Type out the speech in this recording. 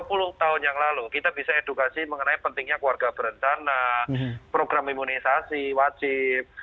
dua puluh tahun yang lalu kita bisa edukasi mengenai pentingnya keluarga berencana program imunisasi wajib